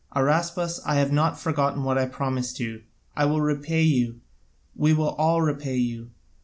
Araspas, I have not forgotten what I promised you, I will repay you, we will all repay you.